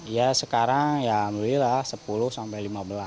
ya sekarang ya alhamdulillah sepuluh sampai lima belas